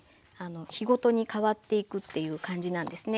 日ごとに変わっていくっていう感じなんですね。